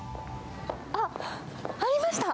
あっ、ありました。